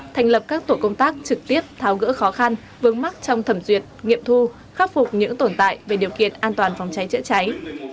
thành lập các tổ công tác trực tiếp tháo gỡ khó khăn vướng mắt trong thẩm duyệt nghiệm thu khắc phục những tồn tại về điều kiện an toàn phòng cháy chữa cháy